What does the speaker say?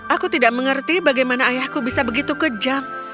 aku tidak mengerti bagaimana ayahku bisa begitu kejam